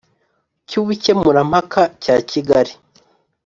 Cy ubukemurampaka cya kigali